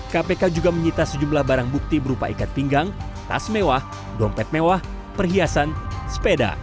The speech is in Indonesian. kpk juga menyita sejumlah barang bukti berupa ikat pinggang tas mewah dompet mewah perhiasan sepeda